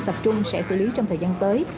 tập trung sẽ xử lý trong thời gian tới